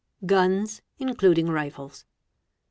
GUNS (INCLUDING RIFLES).